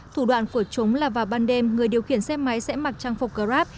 thủ đoạn của chúng là vào ban đêm người điều khiển xe máy sẽ mặc trang phục grab